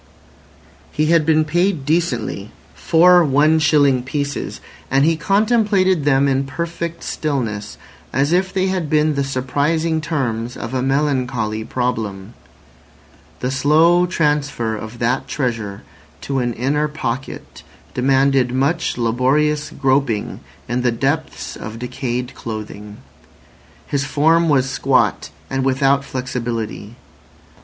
He had been paid decently—four one shilling pieces—and he contemplated them in perfect stillness, as if they had been the surprising terms of a melancholy problem. The slow transfer of that treasure to an inner pocket demanded much laborious groping in the depths of decayed clothing. His form was squat and without flexibility.